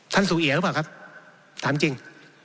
ท่านสูงเหยียวรึเปล่าครับถามจริง